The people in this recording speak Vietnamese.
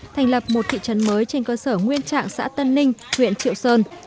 thành lập một thị trấn mới trên cơ sở nguyên trạng xã tân ninh huyện triệu sơn